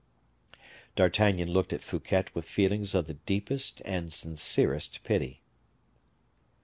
D'Artagnan looked at Fouquet with feelings of the deepest and sincerest pity.